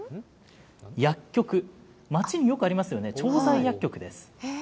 薬局、街によくありますよね、調剤薬局です。